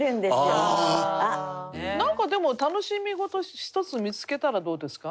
なんかでも楽しみ事一つ見つけたらどうですか？